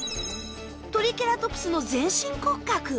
トリケラトプスの全身骨格。